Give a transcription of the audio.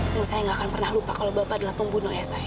dan saya nggak akan pernah lupa kalau bapak adalah pembunuh ayah saya